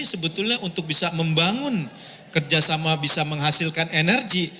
sebetulnya untuk bisa membangun kerjasama bisa menghasilkan energi